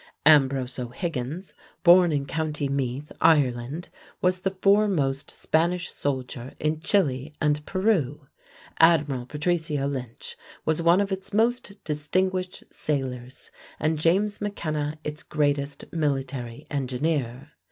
Ambrose O'Higgins, born in county Meath, Ireland, was the foremost Spanish soldier in Chile and Peru; Admiral Patricio Lynch was one of its most distinguished sailors; and James McKenna its greatest military engineer.